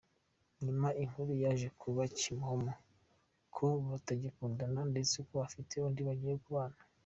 Nyuma inkuru yaje kuba kimomo ko batagikundana, ndetse ko afite undi bagiye kubana.